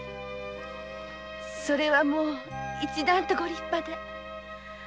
それはもう一段とご立派で。